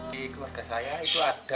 di keluarga saya itu ada